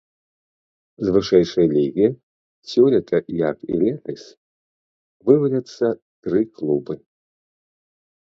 З вышэйшай лігі сёлета, як і летась, вываліцца тры клубы.